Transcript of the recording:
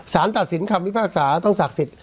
สารตัดสินคำพิพากษาต้องศักดิ์สิทธิ